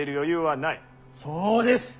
そうです。